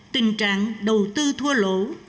tình trạng đầu tư thua lộn